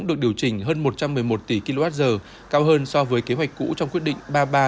được điều chỉnh hơn một trăm một mươi một tỷ kwh cao hơn so với kế hoạch cũ trong quyết định